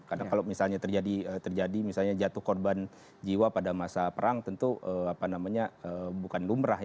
karena kalau misalnya terjadi misalnya jatuh korban jiwa pada masa perang tentu bukan lumer